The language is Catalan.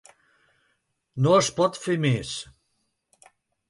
No es pot fer més.